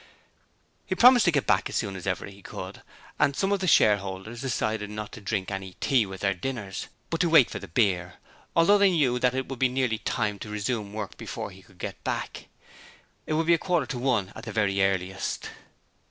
He promised to get back as soon as ever he could, and some of the shareholders decided not to drink any tea with their dinners, but to wait for the beer, although they knew that it would be nearly time to resume work before he could get back. It would be a quarter to one at the very earliest.